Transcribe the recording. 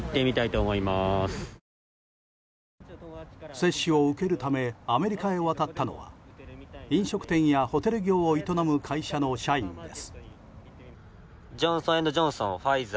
接種を受けるためアメリカへ渡ったのは飲食店やホテル業を営む会社の社員です。